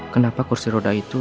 kenapa kursi roda itu